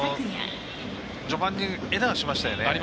序盤にエラーしましたよね。